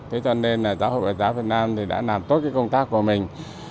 thế cho nên giáo hội phật giáo việt nam đã làm tốt công tác của mình